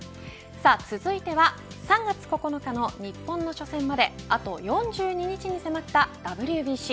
続いては３月９日の日本の初戦まであと４２日に迫ったＷＢＣ。